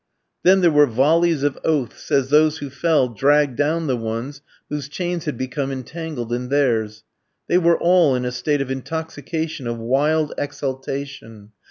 Then there were volleys of oaths as those who fell dragged down the ones whose chains had become entangled in theirs. They were all in a state of intoxication of wild exultation.